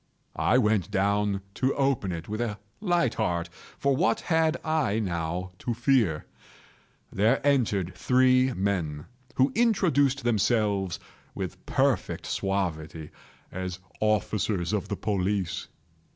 I went down to open it with a light heart,—for what had I now to fear? There entered three men, who introduced themselves, with perfect suavity, as officers of the police.